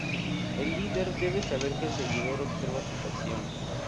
El líder debe saber que el seguidor observa sus acciones.